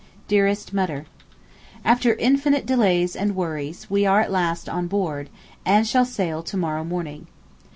DEAREST MUTTER, After infinite delays and worries, we are at last on board, and shall sail to morrow morning.